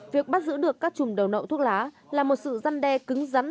việc bắt giữ được các chùm đầu nậu thuốc lá là một sự răn đe cứng rắn